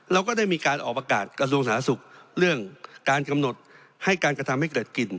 เราก็ได้มีการออกประกาศกระทรวงสาธารณสุขเรื่องการกำหนดให้การกระทำให้เกิดกลิ่น